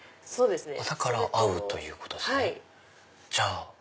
だから合うということですかね。